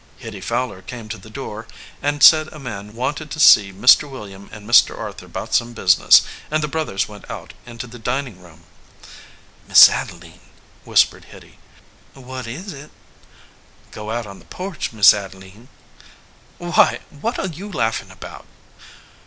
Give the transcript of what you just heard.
Hitty Fowler came to the door and said a man wanted to see Mr. William and Mr. Arthur about some business, and the brothers went out into the dining room. Miss Adeline," whispered Hitty. "What is it?" "Go out on the porch, Miss Adeline." "Why ? What are you laughing about